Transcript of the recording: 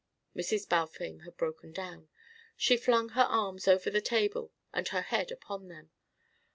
Mrs. Balfame had broken down. She flung her arms over the table and her head upon them.